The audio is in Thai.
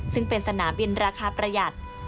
ซึ่งเป็นสนามบินราคาประหยัด